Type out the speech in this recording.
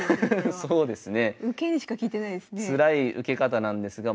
そうですね。